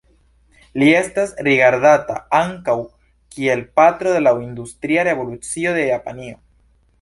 Li estas rigardata ankaŭ kiel patro de la industria revolucio en Japanio.